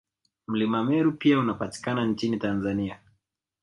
Mlima Meru pia unapatikana nchini Tanzania